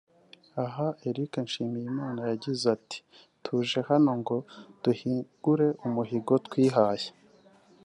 Aha Eric Nshimiyimana yagize ati” Tuje hano ngo duhigure umuhigo twihaye